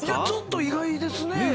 ちょっと意外ですね。